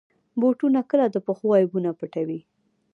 بوټونه کله د پښو عیبونه پټوي.